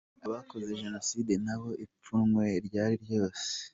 Abakoze Jenoside na bo ipfunwe ryari ryose.